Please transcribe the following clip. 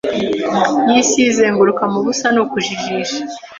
yisi izenguruka mubusa ni ukujijisha